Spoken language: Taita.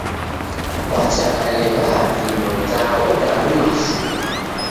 Wachakaleghaa vindo da odaruma shuu!